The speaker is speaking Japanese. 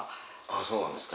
そうなんですか。